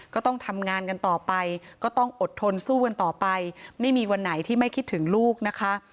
ก็ต้องทำงานกันต่อไปก็ต้องอดทนสู้กันต่อไปไม่มีวันไหนที่ไม่คิดถึงลูกนะคะ